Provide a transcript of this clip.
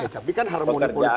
tapi kan harmoni politiknya ada